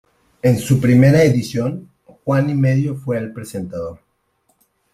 En su primera edición, Juan y Medio fue el presentador.